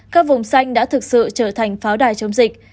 các vùng xanh đã thực sự trở thành pháo đài chống dịch